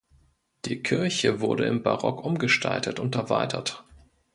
Die Kirche wurde im Barock umgestaltet und erweitert.